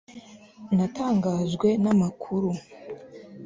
natangajwe namakuru